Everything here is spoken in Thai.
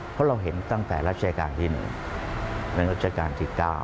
เพราะเราเห็นตั้งแต่รัชกาลที่๑ในรัชกาลที่๙